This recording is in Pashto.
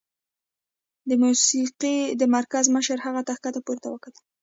د موسيقۍ د مرکز مشر هغې ته ښکته پورته وکتل.